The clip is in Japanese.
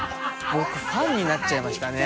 僕ファンになっちゃいましたね。